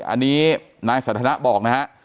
อันนี้นายสันทนะบอกนะฮะ